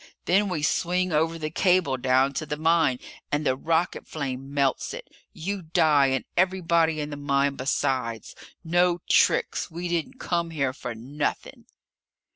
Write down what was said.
Then we swing over the cable down to the mine and the rocket flame melts it! You die and everybody in the mine besides! No tricks! We didn't come here for nothing!"